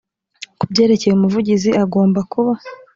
kubyerekeye umuvugizi agomba kuba